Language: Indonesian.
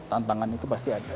tantangan itu pasti ada